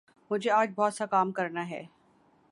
مجھے آج بہت سا کام کرنا ہے